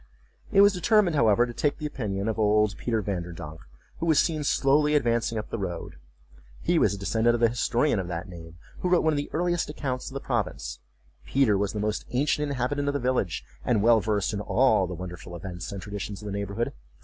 It was determined, however, to take the opinion of old Peter Vanderdonk, who was seen slowly advancing up the road. He was a descendant of the historian of that name, who wrote one of the earliest accounts of the province. Peter was the most ancient inhabitant of the village, and well versed in all the wonderful events and traditions of the neighborhood.